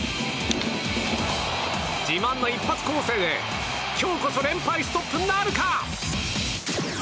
自慢の一発攻勢で今日こそ連敗ストップなるか。